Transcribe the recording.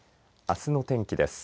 あすの天気です。